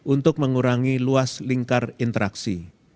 untuk mengurangi luas lingkar interaksi